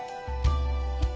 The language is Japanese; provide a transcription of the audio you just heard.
えっ？